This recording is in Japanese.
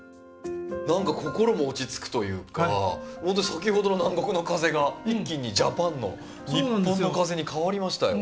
なんか心も落ち着くというかほんと先ほどの南国の風が一気にジャパンの日本の風に変わりましたよ。